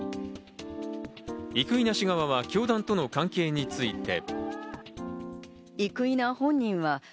生稲氏側は教団との関係について。